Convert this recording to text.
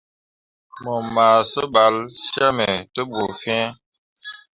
Mu ma sebal cemme te bu fin.